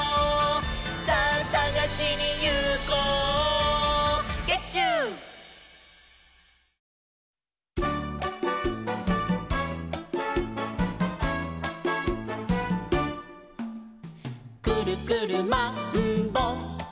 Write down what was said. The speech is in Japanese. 「さぁさがしにいこう」「ゲッチュー」「くるくるマンボ」